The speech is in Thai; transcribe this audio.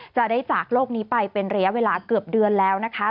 จากโลกนี้ไปเป็นระยะเวลาเกือบเดือนแล้วนะคะ